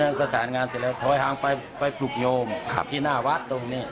ก็ประสานงานเสร็จแล้วถอยห่างไปไปปลุกโยมที่หน้าวัดตรงนี้